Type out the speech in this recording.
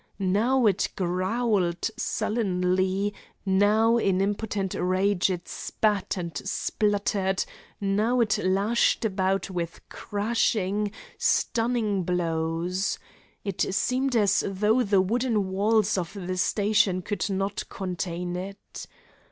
Now it growled sullenly, now in impotent rage it spat and spluttered, now it lashed about with crashing, stunning blows. It seemed as though the wooden walls of the station could not contain it.